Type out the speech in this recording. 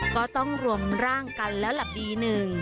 ก็ต้องรวมร่างกันแล้วหลับดีหนึ่ง